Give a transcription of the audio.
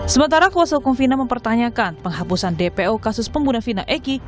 sementara kuasa hukum vina mempertanyakan penghapusan dpo kasus pembunuhan vina eki